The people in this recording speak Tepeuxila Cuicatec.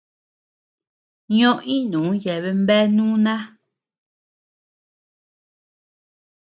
Ño-ínun yeaben bea núna.